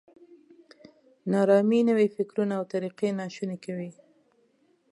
نا ارامي نوي فکرونه او طریقې ناشوني کوي.